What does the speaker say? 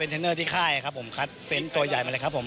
ที่ดูเทปเขาเขาเป็นมวยังไงบ้าง